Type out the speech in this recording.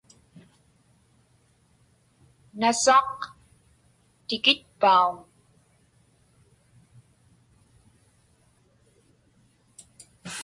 Nasaq tikitpauŋ?